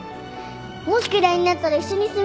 もし嫌いになったら一緒に住めないよね。